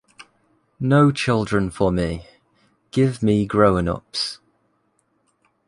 No children for me. Give me grown-ups.